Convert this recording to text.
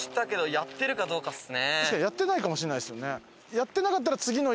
やってないかもしれないですよね。